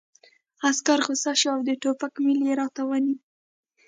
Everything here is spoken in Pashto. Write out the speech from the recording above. عسکر غوسه شو او د ټوپک میل یې راته ونیو